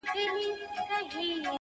تر نگین لاندي پراته درته لوی غرونه.!